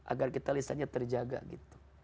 agar kita lisannya terjaga gitu